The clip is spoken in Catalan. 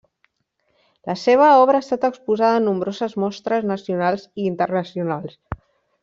La seva obra ha estat exposada en nombroses mostres nacionals i internacionals.